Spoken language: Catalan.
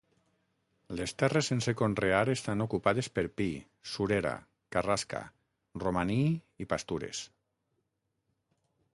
Les terres sense conrear estan ocupades per pi, surera, carrasca, romaní i pastures.